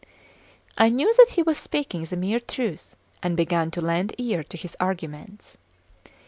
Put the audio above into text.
I knew that he was speaking the mere truth, and began to lend ear to his arguments.